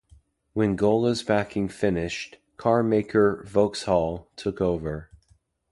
When Gola's backing finished, car maker Vauxhall took over.